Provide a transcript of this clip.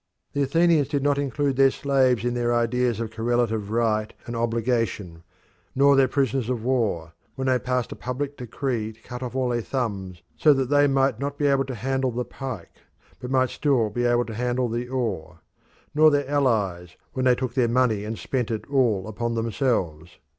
The Athenians did not include their slaves in their ideas of correlative right and obligation; nor their prisoners of war, when they passed a public decree to cut off all their thumbs, so that they might not be able to handle the pike, but might still be able to handle the oar; nor their allies, when they took their money and spent it all upon themselves.